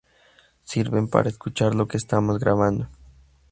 Sirven para escuchar lo que estamos grabando.